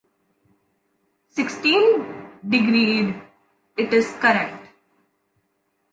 Sixteen degreed: it is correct.